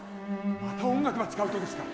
また音楽ば使うとですか？